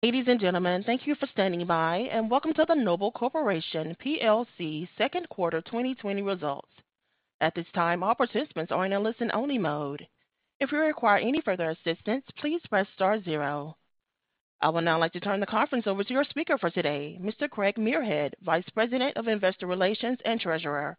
Ladies and gentlemen, thank you for standing by, and welcome to the Noble Corporation PLC second quarter 2020 results. At this time, all participants are in a listen-only mode. If you require any further assistance, please press star zero. I would now like to turn the conference over to your speaker for today, Mr. Craig Muirhead, Vice President of Investor Relations and Treasurer.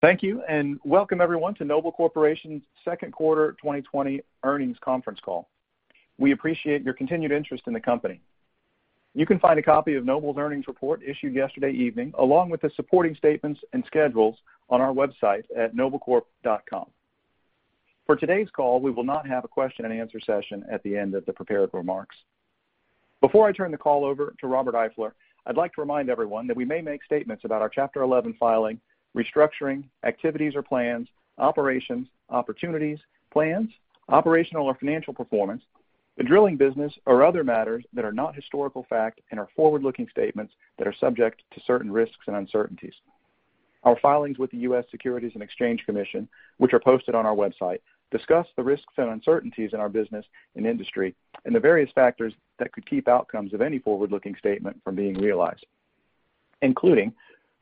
Thank you, and welcome everyone to Noble Corporation's second quarter 2020 earnings conference call. We appreciate your continued interest in the company. You can find a copy of Noble's earnings report issued yesterday evening, along with the supporting statements and schedules, on our website at noblecorp.com. For today's call, we will not have a question-and-answer session at the end of the prepared remarks. Before I turn the call over to Robert Eifler, I'd like to remind everyone that we may make statements about our Chapter 11 filing, restructuring, activities or plans, operations, opportunities, plans, operational or financial performance, the drilling business, or other matters that are not historical fact and are forward-looking statements that are subject to certain risks and uncertainties. Our filings with the U.S. Securities and Exchange Commission, which are posted on our website, discuss the risks and uncertainties in our business and industry and the various factors that could keep outcomes of any forward-looking statement from being realized, including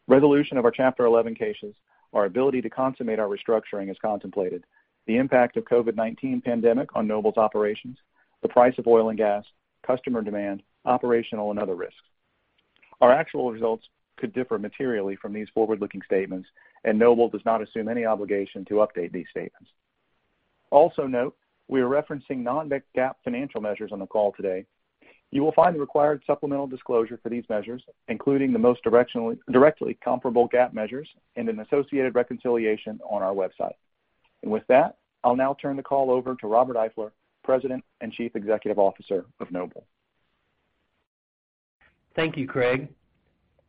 resolution of our Chapter 11 cases, our ability to consummate our restructuring as contemplated, the impact of the COVID-19 pandemic on Noble's operations, the price of oil and gas, customer demand, operational, and other risks. Our actual results could differ materially from these forward-looking statements, and Noble does not assume any obligation to update these statements. Also note, we are referencing non-GAAP financial measures on the call today. You will find the required supplemental disclosure for these measures, including the most directly comparable GAAP measures and an associated reconciliation on our website. And with that, I'll now turn the call over to Robert Eifler, President and Chief Executive Officer of Noble. Thank you, Craig.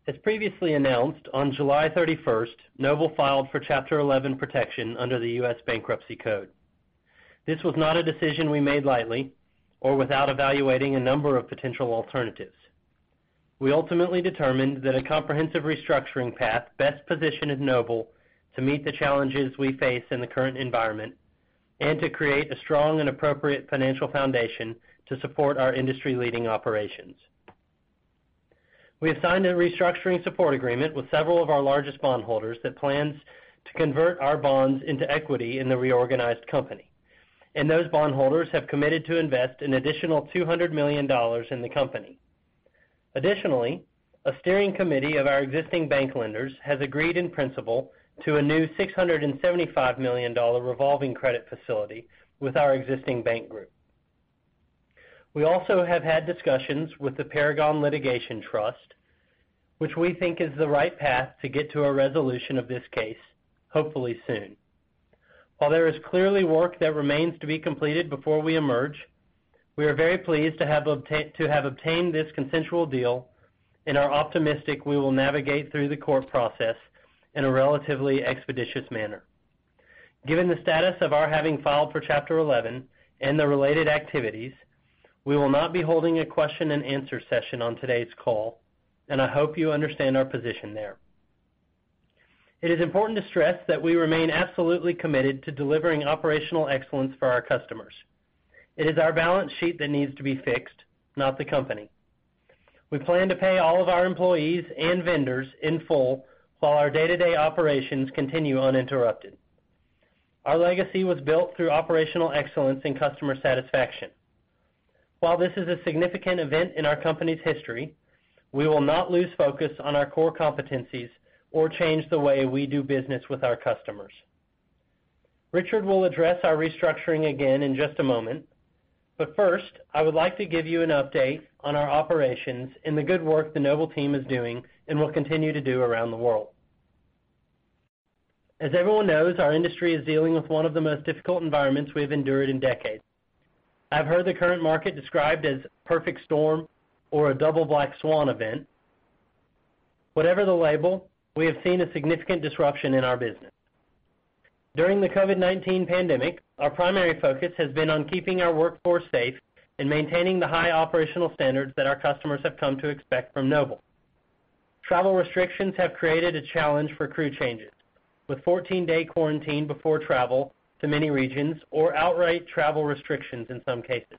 As previously announced, on July 31st, Noble filed for Chapter 11 protection under the U.S. Bankruptcy Code. This was not a decision we made lightly or without evaluating a number of potential alternatives. We ultimately determined that a comprehensive restructuring path best positioned Noble to meet the challenges we face in the current environment and to create a strong and appropriate financial foundation to support our industry-leading operations. We have signed a Restructuring Support Agreement with several of our largest bondholders that plans to convert our bonds into equity in the reorganized company, and those bondholders have committed to invest an additional $200 million in the company. Additionally, a steering committee of our existing bank lenders has agreed in principle to a new $675 million revolving credit facility with our existing bank group. We also have had discussions with the Paragon Litigation Trust, which we think is the right path to get to a resolution of this case, hopefully soon. While there is clearly work that remains to be completed before we emerge, we are very pleased to have obtained this consensual deal and are optimistic we will navigate through the court process in a relatively expeditious manner. Given the status of our having filed for Chapter 11 and the related activities, we will not be holding a question-and-answer session on today's call, and I hope you understand our position there. It is important to stress that we remain absolutely committed to delivering operational excellence for our customers. It is our balance sheet that needs to be fixed, not the company. We plan to pay all of our employees and vendors in full while our day-to-day operations continue uninterrupted. Our legacy was built through operational excellence and customer satisfaction. While this is a significant event in our company's history, we will not lose focus on our core competencies or change the way we do business with our customers. Richard will address our restructuring again in just a moment, but first, I would like to give you an update on our operations and the good work the Noble team is doing and will continue to do around the world. As everyone knows, our industry is dealing with one of the most difficult environments we have endured in decades. I've heard the current market described as a perfect storm or a double black swan event. Whatever the label, we have seen a significant disruption in our business. During the COVID-19 pandemic, our primary focus has been on keeping our workforce safe and maintaining the high operational standards that our customers have come to expect from Noble. Travel restrictions have created a challenge for crew changes, with 14-day quarantine before travel to many regions or outright travel restrictions in some cases.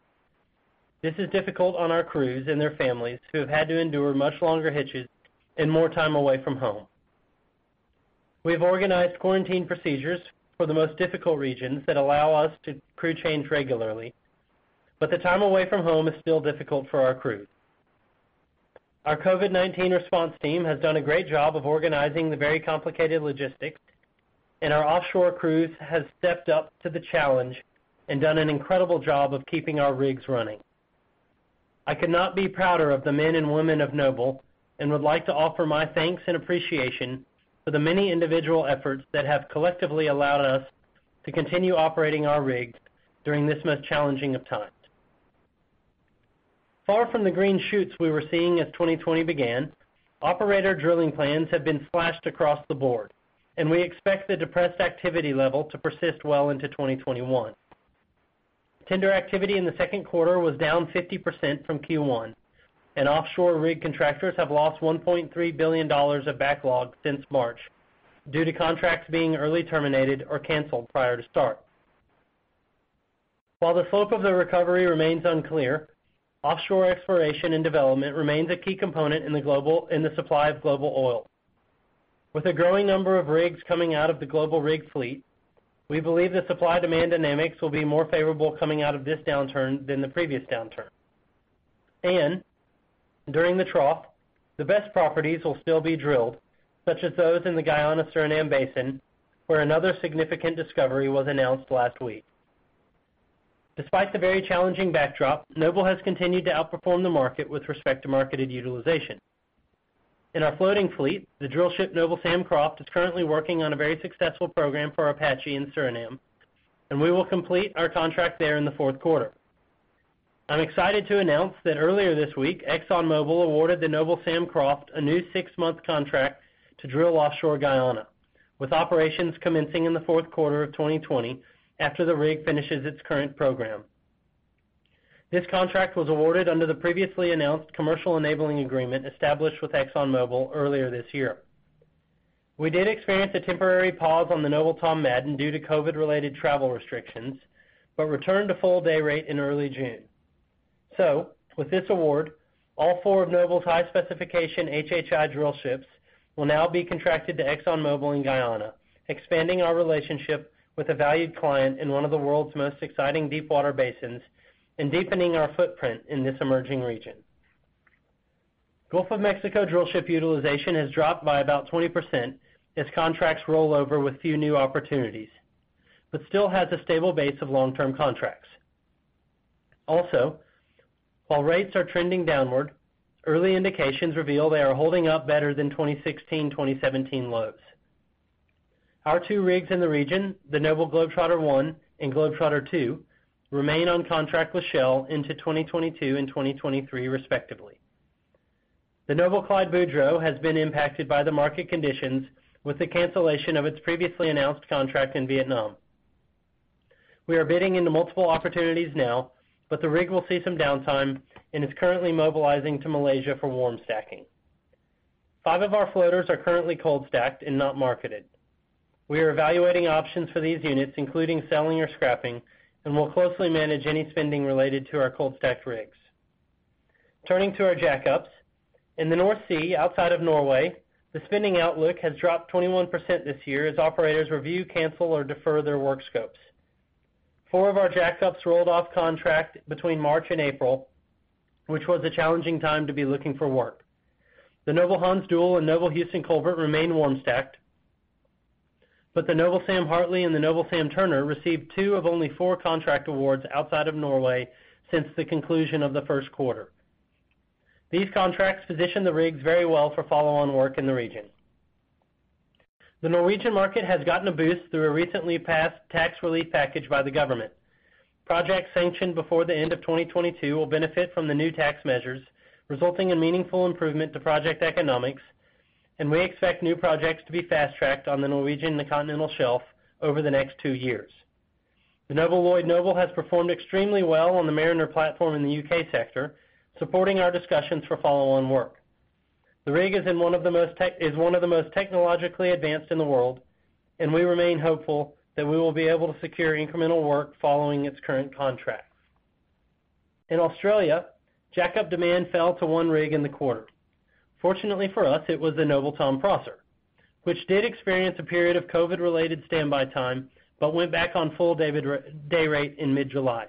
This is difficult on our crews and their families who have had to endure much longer hitches and more time away from home. We have organized quarantine procedures for the most difficult regions that allow us to crew change regularly, but the time away from home is still difficult for our crew. Our COVID-19 response team has done a great job of organizing the very complicated logistics, and our offshore crews have stepped up to the challenge and done an incredible job of keeping our rigs running. I could not be prouder of the men and women of Noble and would like to offer my thanks and appreciation for the many individual efforts that have collectively allowed us to continue operating our rigs during this most challenging of times. Far from the green shoots we were seeing as 2020 began, operator drilling plans have been slashed across the board, and we expect the depressed activity level to persist well into 2021. Tender activity in the second quarter was down 50% from Q1, and offshore rig contractors have lost $1.3 billion of backlog since March due to contracts being early terminated or canceled prior to start. While the slope of the recovery remains unclear, offshore exploration and development remains a key component in the supply of global oil. With a growing number of rigs coming out of the global rig fleet, we believe the supply-demand dynamics will be more favorable coming out of this downturn than the previous downturn, and during the trough, the best properties will still be drilled, such as those in the Guyana-Suriname Basin, where another significant discovery was announced last week. Despite the very challenging backdrop, Noble has continued to outperform the market with respect to marketed utilization. In our floating fleet, the drillship Noble Sam Croft is currently working on a very successful program for Apache in Suriname, and we will complete our contract there in the fourth quarter. I'm excited to announce that earlier this week, ExxonMobil awarded the Noble Sam Croft a new six-month contract to drill offshore Guyana, with operations commencing in the fourth quarter of 2020 after the rig finishes its current program. This contract was awarded under the previously announced commercial enabling agreement established with ExxonMobil earlier this year. We did experience a temporary pause on the Noble Tom Madden due to COVID-related travel restrictions, but returned to full day rate in early June. So, with this award, all four of Noble's high-specification HHI drillships will now be contracted to ExxonMobil in Guyana, expanding our relationship with a valued client in one of the world's most exciting deep-water basins and deepening our footprint in this emerging region. Gulf of Mexico drillship utilization has dropped by about 20% as contracts roll over with few new opportunities, but still has a stable base of long-term contracts. Also, while rates are trending downward, early indications reveal they are holding up better than 2016-2017 lows. Our two rigs in the region, the Noble Globetrotter I and Globetrotter II, remain on contract with Shell into 2022 and 2023, respectively. The Noble Clyde Boudreaux has been impacted by the market conditions with the cancellation of its previously announced contract in Vietnam. We are bidding into multiple opportunities now, but the rig will see some downtime and is currently mobilizing to Malaysia for warm stacking. Five of our floaters are currently cold-stacked and not marketed. We are evaluating options for these units, including selling or scrapping, and will closely manage any spending related to our cold-stacked rigs. Turning to our jackups, in the North Sea outside of Norway, the spending outlook has dropped 21% this year as operators review, cancel, or defer their work scopes. Four of our jackups rolled off contract between March and April, which was a challenging time to be looking for work. The Noble Hans Deul and Noble Houston Colbert remain warm stacked, but the Noble Sam Hartley and the Noble Sam Turner received two of only four contract awards outside of Norway since the conclusion of the first quarter. These contracts position the rigs very well for follow-on work in the region. The Norwegian market has gotten a boost through a recently passed tax relief package by the government. Projects sanctioned before the end of 2022 will benefit from the new tax measures, resulting in meaningful improvement to project economics, and we expect new projects to be fast-tracked on the Norwegian continental shelf over the next two years. The Noble Lloyd Noble has performed extremely well on the Mariner platform in the UK sector, supporting our discussions for follow-on work. The rig is one of the most technologically advanced in the world, and we remain hopeful that we will be able to secure incremental work following its current contracts. In Australia, jackup demand fell to one rig in the quarter. Fortunately for us, it was the Noble Tom Prosser, which did experience a period of COVID-related standby time but went back on full day rate in mid-July.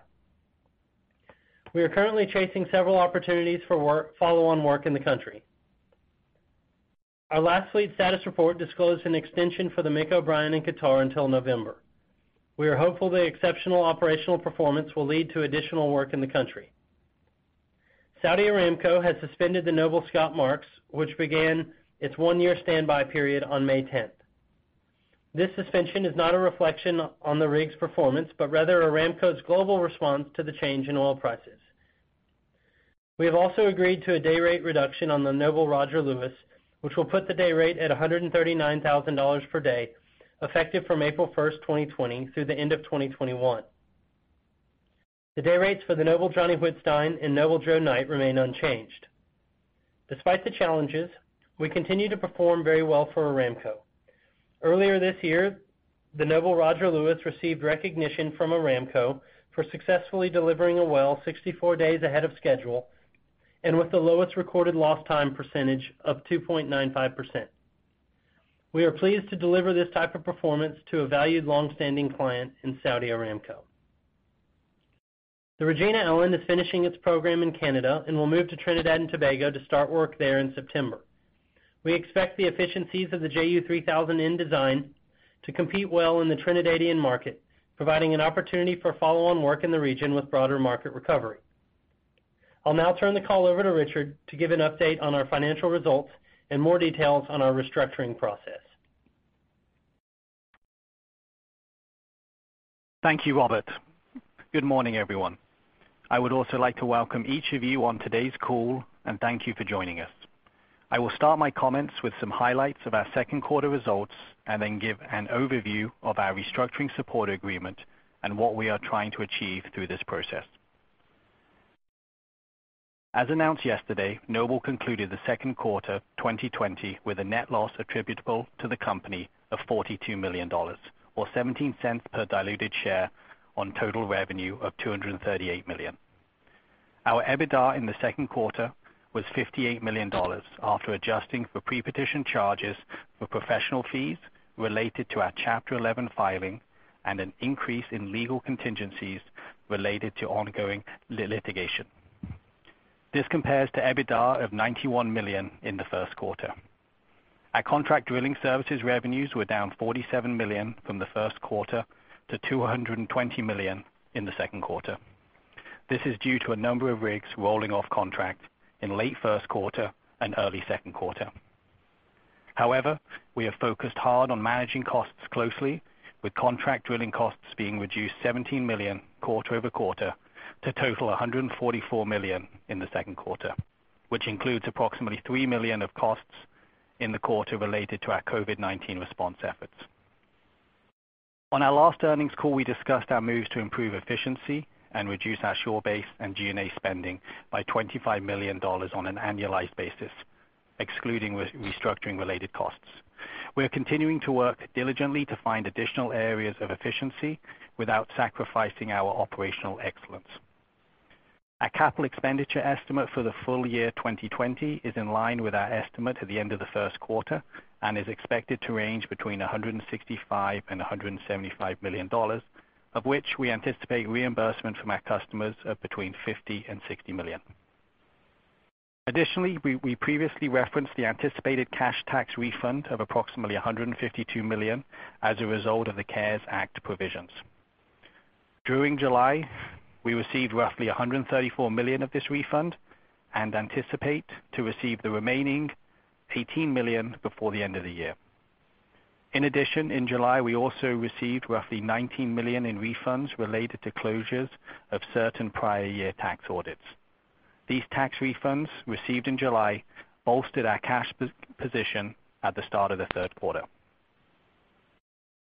We are currently chasing several opportunities for follow-on work in the country. Our last fleet status report disclosed an extension for the Mick O'Brien and Qatar until November. We are hopeful the exceptional operational performance will lead to additional work in the country. Saudi Aramco has suspended the Noble Scott Marks, which began its one-year standby period on May 10th. This suspension is not a reflection on the rig's performance but rather Aramco's global response to the change in oil prices. We have also agreed to a day rate reduction on the Noble Roger Lewis, which will put the day rate at $139,000 per day effective from April 1st, 2020, through the end of 2021. The day rates for the Noble Johnny Whitstine and Noble Joe Knight remain unchanged. Despite the challenges, we continue to perform very well for Aramco. Earlier this year, the Noble Roger Lewis received recognition from Aramco for successfully delivering a well 64 days ahead of schedule and with the lowest recorded lost time percentage of 2.95%. We are pleased to deliver this type of performance to a valued longstanding client in Saudi Aramco. The Noble Regina Allen is finishing its program in Canada and will move to Trinidad and Tobago to start work there in September. We expect the efficiencies of the JU3000N design to compete well in the Trinidadian market, providing an opportunity for follow-on work in the region with broader market recovery. I'll now turn the call over to Richard to give an update on our financial results and more details on our restructuring process. Thank you, Robert. Good morning, everyone. I would also like to welcome each of you on today's call and thank you for joining us. I will start my comments with some highlights of our second quarter results and then give an overview of our Restructuring Support Agreement and what we are trying to achieve through this process. As announced yesterday, Noble concluded the second quarter 2020 with a net loss attributable to the company of $42 million, or $0.17 per diluted share on total revenue of $238 million. Our EBITDA in the second quarter was $58 million after adjusting for pre-petition charges for professional fees related to our Chapter 11 filing and an increase in legal contingencies related to ongoing litigation. This compares to EBITDA of $91 million in the first quarter. Our contract drilling services revenues were down $47 million from the first quarter to $220 million in the second quarter. This is due to a number of rigs rolling off contract in late first quarter and early second quarter. However, we have focused hard on managing costs closely, with contract drilling costs being reduced $17 million quarter over quarter to total $144 million in the second quarter, which includes approximately $3 million of costs in the quarter related to our COVID-19 response efforts. On our last earnings call, we discussed our moves to improve efficiency and reduce our shore base and G&A spending by $25 million on an annualized basis, excluding restructuring-related costs. We are continuing to work diligently to find additional areas of efficiency without sacrificing our operational excellence. Our capital expenditure estimate for the full year 2020 is in line with our estimate at the end of the first quarter and is expected to range between $165 million and $175 million, of which we anticipate reimbursement from our customers of between $50 million and $60 million. Additionally, we previously referenced the anticipated cash tax refund of approximately $152 million as a result of the CARES Act provisions. During July, we received roughly $134 million of this refund and anticipate to receive the remaining $18 million before the end of the year. In addition, in July, we also received roughly $19 million in refunds related to closures of certain prior year tax audits. These tax refunds received in July bolstered our cash position at the start of the third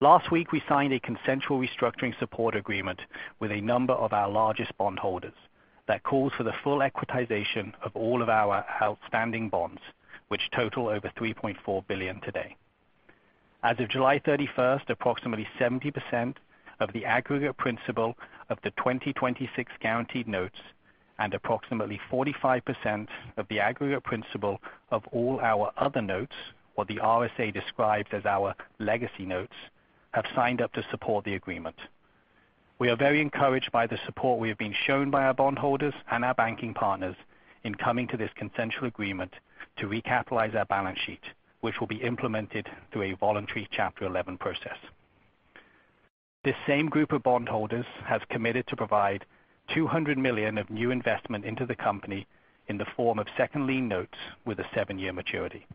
quarter. Last week, we signed a consensual restructuring support agreement with a number of our largest bondholders that calls for the full equitization of all of our outstanding bonds, which total over $3.4 billion today. As of July 31st, approximately 70% of the aggregate principal of the 2026 guaranteed notes and approximately 45% of the aggregate principal of all our other notes, what the RSA describes as our legacy notes, have signed up to support the agreement. We are very encouraged by the support we have been shown by our bondholders and our banking partners in coming to this consensual agreement to recapitalize our balance sheet, which will be implemented through a voluntary Chapter 11 process. This same group of bondholders has committed to provide $200 million of new investment into the company in the form of second lien notes with a seven-year maturity.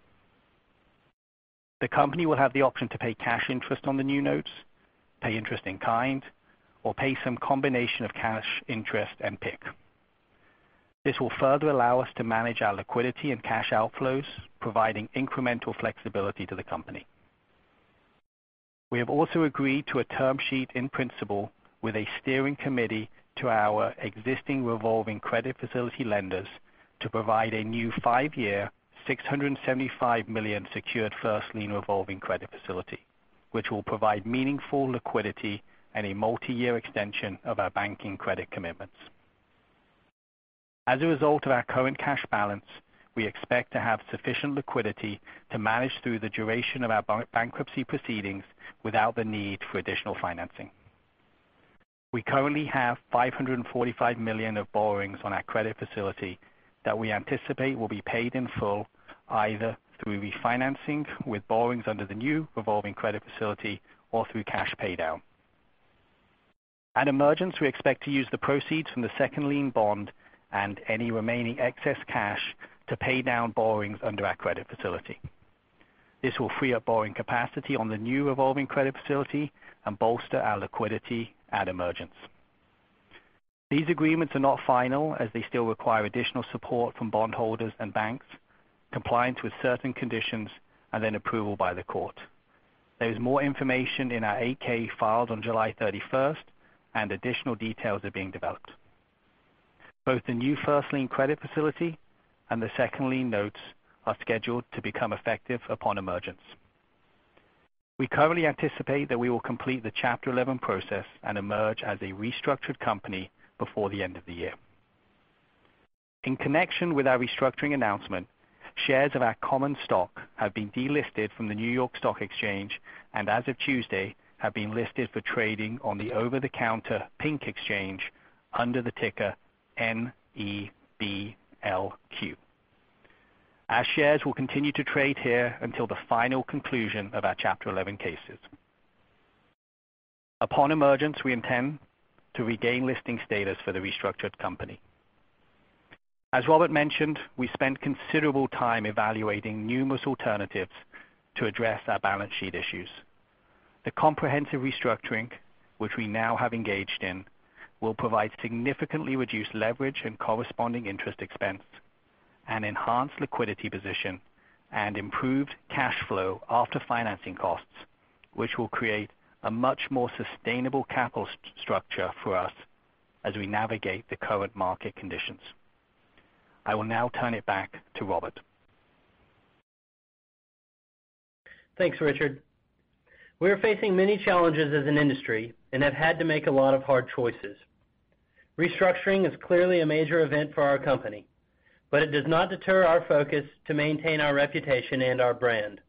The company will have the option to pay cash interest on the new notes, pay interest in kind, or pay some combination of cash interest and PIK. This will further allow us to manage our liquidity and cash outflows, providing incremental flexibility to the company. We have also agreed to a term sheet in principle with a steering committee to our existing revolving credit facility lenders to provide a new five-year $675 million secured first lien revolving credit facility, which will provide meaningful liquidity and a multi-year extension of our banking credit commitments. As a result of our current cash balance, we expect to have sufficient liquidity to manage through the duration of our bankruptcy proceedings without the need for additional financing. We currently have $545 million of borrowings on our credit facility that we anticipate will be paid in full either through refinancing with borrowings under the new revolving credit facility or through cash paydown. At emergence, we expect to use the proceeds from the second lien bond and any remaining excess cash to pay down borrowings under our credit facility. This will free up borrowing capacity on the new revolving credit facility and bolster our liquidity at emergence. These agreements are not final as they still require additional support from bondholders and banks, compliance with certain conditions, and then approval by the court. There is more information in our 8-K filed on July 31st, and additional details are being developed. Both the new first lien credit facility and the second lien notes are scheduled to become effective upon emergence. We currently anticipate that we will complete the Chapter 11 process and emerge as a restructured company before the end of the year. In connection with our restructuring announcement, shares of our common stock have been delisted from the New York Stock Exchange and, as of Tuesday, have been listed for trading on the OTC Pink under the ticker NEBLQ. Our shares will continue to trade here until the final conclusion of our Chapter 11 cases. Upon emergence, we intend to regain listing status for the restructured company. As Robert mentioned, we spent considerable time evaluating numerous alternatives to address our balance sheet issues. The comprehensive restructuring, which we now have engaged in, will provide significantly reduced leverage and corresponding interest expense, an enhanced liquidity position, and improved cash flow after financing costs, which will create a much more sustainable capital structure for us as we navigate the current market conditions. I will now turn it back to Robert. Thanks, Richard. We are facing many challenges as an industry and have had to make a lot of hard choices. Restructuring is clearly a major event for our company, but it does not deter our focus to maintain our reputation and our brand.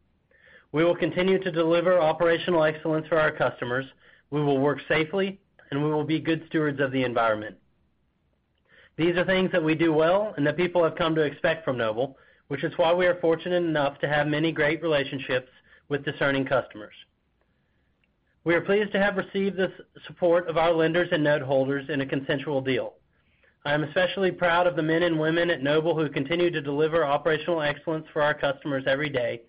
We will continue to deliver operational excellence for our customers. We will work safely, and we will be good stewards of the environment. These are things that we do well and that people have come to expect from Noble, which is why we are fortunate enough to have many great relationships with discerning customers. We are pleased to have received the support of our lenders and note holders in a consensual deal. I am especially proud of the men and women at Noble who continue to deliver operational excellence for our customers every day,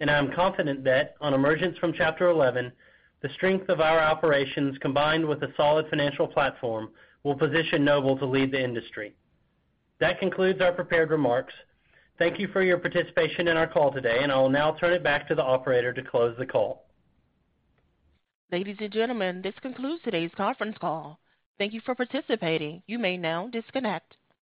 and I am confident that, on emergence from Chapter 11, the strength of our operations combined with a solid financial platform will position Noble to lead the industry. That concludes our prepared remarks. Thank you for your participation in our call today, and I will now turn it back to the operator to close the call. Ladies and gentlemen, this concludes today's conference call. Thank you for participating. You may now disconnect.